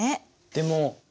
でも。